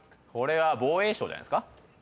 「防衛省」じゃないですか？